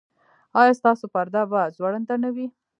ایا ستاسو پرده به ځوړنده نه وي؟